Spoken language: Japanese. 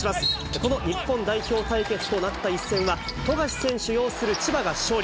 この日本代表対決となった一戦は、富樫選手擁する千葉が勝利。